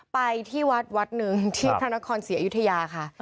ไปที่วัดวัดหนึ่งที่พระนครศรีอยุธยาค่ะ